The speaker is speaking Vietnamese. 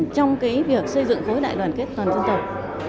trong việc xây dựng khối đại đoàn kết toàn dân tộc